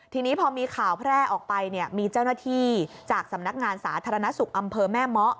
ทีนี้พอมีข่าวแพร่ออกไปเนี่ยมีเจ้าหน้าที่จากสำนักงานสาธารณสุขอำเภอแม่เมาะ